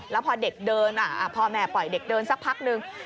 แล้วพอเด็กเดินพ่อแม่ปล่อยเด็กเดินสักพักนึง